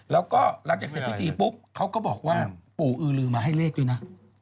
แล้วก็หลังจากเสร็จพิธีปุ๊บเขาก็บอกว่าปู่อือลือมาให้เลขด้วยนะ